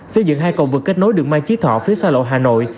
xây dựng hai cầu vượt kết nối đường mai chí thọ phía xa lộ hà nội